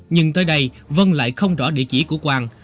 nhưng tới đây vân lại không rõ địa chỉ của quang